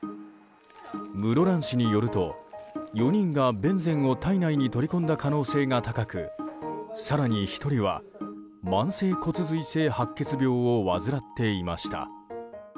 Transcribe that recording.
室蘭市によると、４人がベンゼンを体内に取り込んだ可能性が高く更に、１人は慢性骨髄性白血病を患っていました。